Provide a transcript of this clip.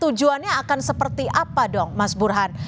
tujuannya akan seperti apa dong mas burhan